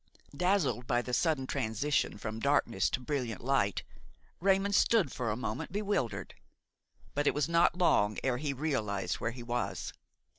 Dazzled by the sudden transition from darkness to brilliant light, Raymon stood for a moment bewildered; but it was not long ere he realized where he was.